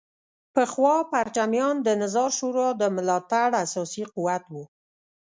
پخوا پرچمیان د نظار شورا د ملاتړ اساسي قوت وو.